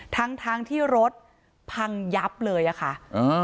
ทั้งทั้งที่รถพังยับเลยอ่ะค่ะอ่า